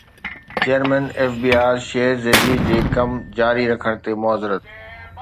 chairman F B R Shabbar Zaidi جي ڪم جاري رکڻ تي معذرت